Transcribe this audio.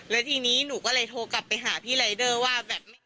แล้วทีนี้หนูก็เลยโทรกลับไปหาพี่รายเดอร์ว่าแบบ